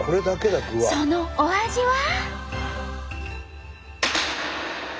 そのお味は？